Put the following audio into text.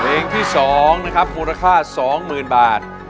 เสียงที่สองนะครับมูลค่าสองหมื่นบาท